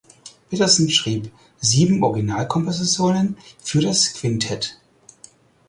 Peterson schrieb sieben Originalkompositionen für das Quintett.